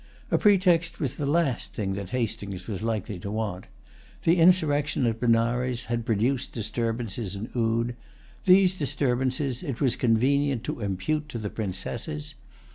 A pretext was the last thing that Hastings was likely to want. The insurrection at Benares had produced disturbances in Oude. These disturbances it was convenient to impute to the Princesses.